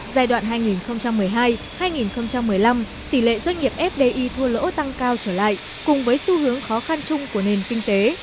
giai đoạn hai nghìn một mươi hai hai nghìn một mươi năm tỷ lệ doanh nghiệp fdi thua lỗ tăng cao trở lại cùng với xu hướng khó khăn chung của nền kinh tế